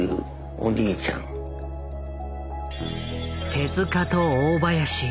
手と大林。